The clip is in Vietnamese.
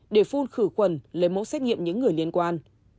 để phun khử khuẩn lấy mẫu xét nghiệm những người liên quan